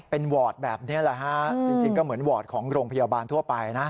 เป็นวอร์ดแบบนี้แหละฮะจริงก็เหมือนวอร์ดของโรงพยาบาลทั่วไปนะ